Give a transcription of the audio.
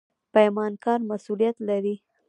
پیمانکار مسوولیت لري